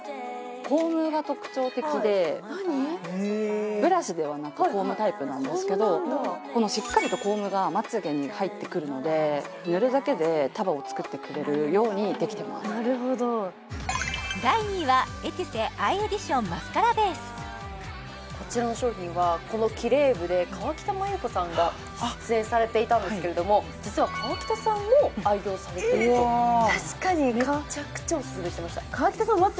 コームが特徴的でブラシではなくてコームタイプなんですけどしっかりとコームがまつげに入ってくるので塗るだけで束を作ってくれるようにできてますなるほどこちらの商品はこのキレイ部で河北麻友子さんが出演されていたんですけれども実は河北さんも愛用されているとえっ確かにめちゃくちゃオススメしてました